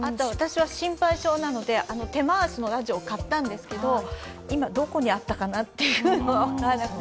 私は心配性なので、手回しのラジオを買ったんですけど今、どこにあったかなというのを。